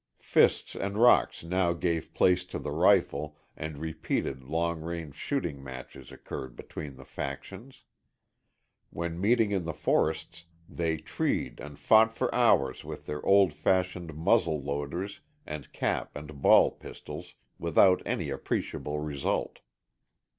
Fists and rocks now gave place to the rifle and repeated long range shooting matches occurred between the factions. When meeting in the forests, they treed and fought for hours with their old fashioned muzzle loaders and cap and ball pistols, without any appreciable result.